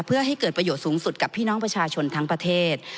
เพื่อให้เกิดประโยชน์สูงสุดกับพี่น้องประชาชนทั้งประเทศ